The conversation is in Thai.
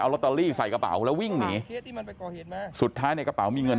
ลอตเตอรี่ใส่กระเป๋าแล้ววิ่งหนีสุดท้ายในกระเป๋ามีเงิน